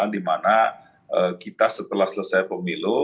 dimana kita setelah selesai pemilu